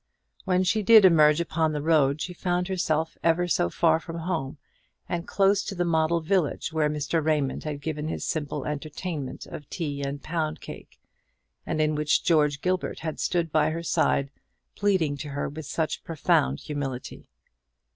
When she did emerge upon the road, she found herself ever so far from home, and close to the model village where Mr. Raymond had given his simple entertainment of tea and pound cake, and in which George Gilbert had stood by her side pleading to her with such profound humility.